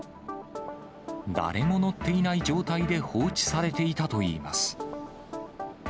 誰も乗っていない状態で放置されていたといいます。